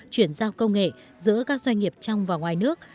chuyển giao công nghệ giữa các doanh nghiệp trong và ngoài nước